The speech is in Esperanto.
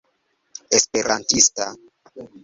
esperantista